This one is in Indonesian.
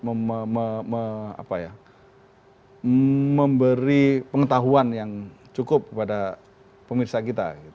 dan juga memberi pengetahuan yang cukup kepada pemirsa kita